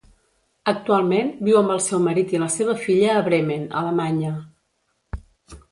Actualment viu amb el seu marit i la seva filla a Bremen, Alemanya.